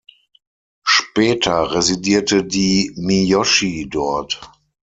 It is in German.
Später residierte die Miyoshi dort.